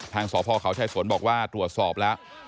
ทางสพเขาชายสนบอกว่าตรวจสอบแล้ว